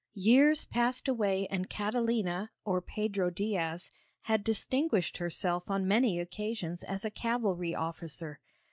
Years passed away and Catalina or 'Pedro Diaz' had distinguished herself on many occasions as a cavalry officer.